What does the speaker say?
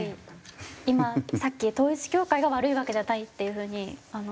今さっき統一教会が悪いわけじゃないっていう風に。